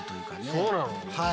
そうなの？